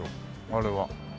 あれは。